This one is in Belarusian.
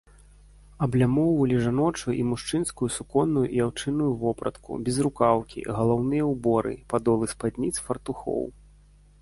Аблямоўвалі жаночую і мужчынскую суконную і аўчынную вопратку, безрукаўкі, галаўныя ўборы, падолы спадніц, фартухоў.